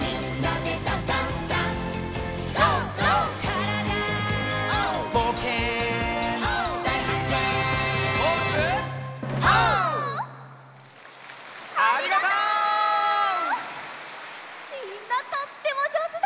みんなとってもじょうずだったよ！